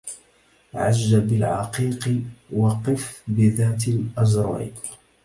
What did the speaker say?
عج بالعقيق وقف بذات الاجرع